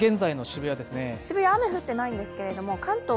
渋谷雨降ってないんですけれども、関東